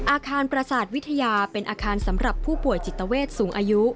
อาคารประสาทวิทยาเป็นอาคารสำหรับผู้ป่วยจิตเวทสูงอายุ